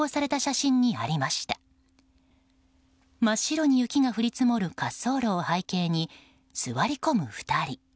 真っ白に雪が降り積もる滑走路を背景に座り込む２人。